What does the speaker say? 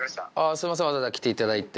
すいませんわざわざ来ていただいて。